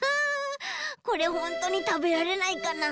これほんとにたべられないかな。